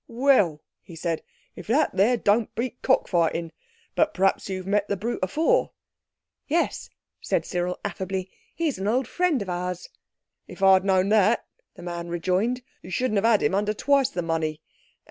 "Well!" he said, "if that there don't beat cockfighting! But p'raps you've met the brute afore." "Yes," said Cyril affably, "he's an old friend of ours." "If I'd a known that," the man rejoined, "you shouldn't a had him under twice the money.